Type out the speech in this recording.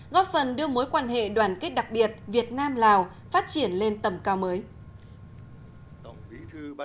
góp phần đưa mối quan hệ đoàn kết đặc biệt việt nam lào phát triển lên tầm cao mới